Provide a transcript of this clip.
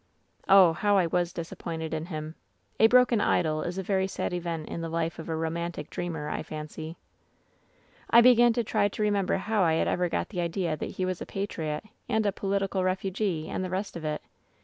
"Oh, how I was disappointed in him ! A broken idol is a very sad event in the life of a romantic dreamer, I fancy. "I began to try to remember how I had ever got the idea that he was a patriot and a political refugee, and the rest of it.